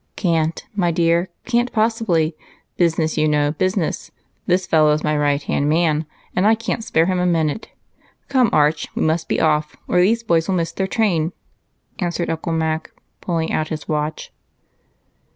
"Can't, my dear, can't possibly. Business, you know, business. This fellow is my right hand man, and I can't spare him a minute. Come, Arch, we must be off, or these boys will miss their train," answered Uncle Mac, pulling out his watch.